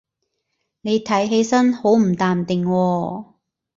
你睇起身好唔淡定喎